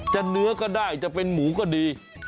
เนื้อก็ได้จะเป็นหมูก็ดี